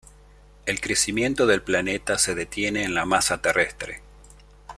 El crecimiento del planeta se detiene en la masa terrestre.